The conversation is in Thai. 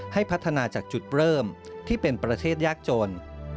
ให้พัฒนาจากจุดเริ่มที่เป็นประเทศยากจน